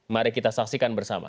mari kita saksikan bersama